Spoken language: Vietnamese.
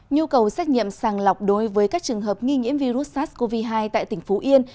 nhu cầu xét nghiệm sàng lọc đối với các trường hợp nghi nhiễm virus sars cov hai tại tỉnh phú yên